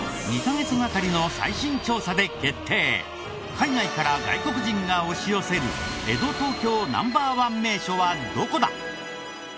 海外から外国人が押し寄せる江戸・東京Ｎｏ．１名所はどこだ？